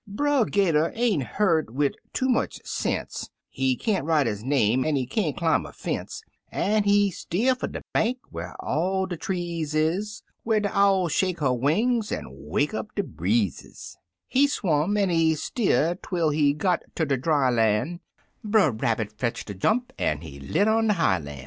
Brer 'Gater ain't hurt wid too much sense — He can't write his name, an' he can't dim' a fence — An' he steer fer de bank whar all de trees is, Whar de Owl shake her wings an" wake up de breezes ; He swum an' he steered twel he got ter de dry Ian', Brer Rabbit fetched a jump an' lit on de highlan'.